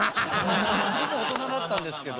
十分大人だったんですけど。